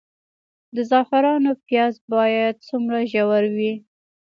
د زعفرانو پیاز باید څومره ژور وي؟